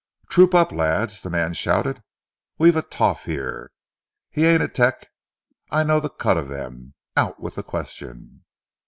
"Troop up, lads," the man shouted. "We've a toff 'ere. He ain't a 'tec I know the cut of them. Out with the question."